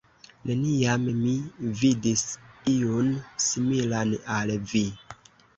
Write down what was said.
Neniam mi vidis iun, similan al vi.